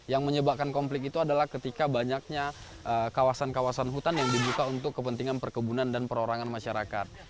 yang menyebabkan konflik itu adalah ketika banyaknya kawasan kawasan hutan yang dibuka untuk kepentingan perkebunan dan perorangan masyarakat